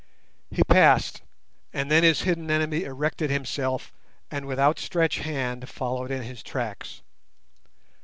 He passed, and then his hidden enemy erected himself, and with outstretched hand followed in his tracks.